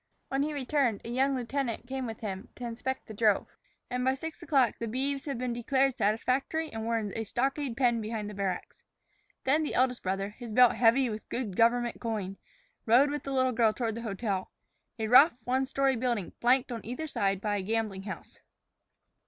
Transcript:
When he returned, a young lieutenant came with him to inspect the drove; and by six o'clock the beeves had been declared satisfactory and were in a stockade pen behind the barracks. Then the eldest brother, his belt heavy with good government coin, rode with the little girl toward the hotel, a rough, one story building flanked on either side by a gambling house.